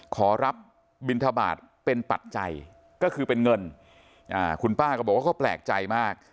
ขอรับบินทบาทเป็นปัจจัยก็คือเป็นเงินคุณป้าก็บอกว่าเขาแปลกใจมาก